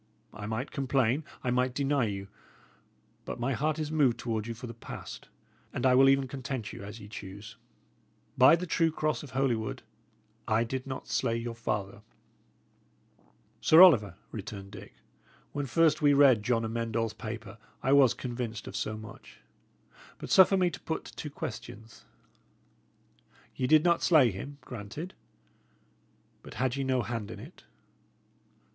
I might complain, I might deny you; but my heart is moved toward you for the past, and I will even content you as ye choose. By the true cross of Holywood, I did not slay your father." "Sir Oliver," returned Dick, "when first we read John Amend All's paper, I was convinced of so much. But suffer me to put two questions. Ye did not slay him; granted. But had ye no hand in it?"